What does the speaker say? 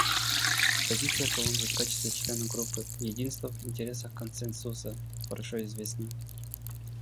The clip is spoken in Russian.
Позиция Колумбии в качестве члена группы «Единство в интересах консенсуса» хорошо известна.